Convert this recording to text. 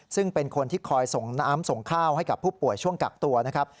ซึ่งเป็นคนที่คอยส่งน้ำส่งข้าวให้กับผู้ป่วยช่วงกักตัวนะครับ